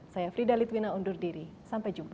saya frida litwina undur diri sampai jumpa